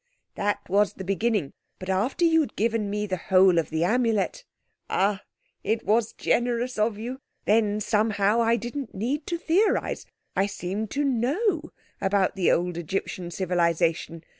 "That was the beginning. But after you'd given me the whole of the Amulet—ah, it was generous of you!—then, somehow, I didn't need to theorize, I seemed to know about the old Egyptian civilization.